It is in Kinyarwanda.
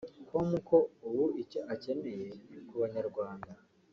com ko ubu icyo akeneye ku banyarwanda